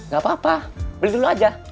gak apa apa beli dulu aja